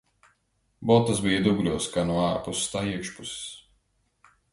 Botas bija dubļos kā no ārpuses, tā iekšpuses.